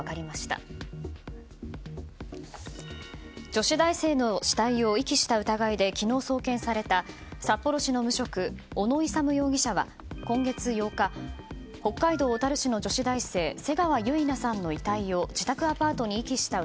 女子大生の死体を遺棄した疑いで昨日、送検された札幌市の無職・小野勇容疑者は今月８日、北海道小樽市の女子大生瀬川結菜さんの遺体を自宅アパートに遺棄した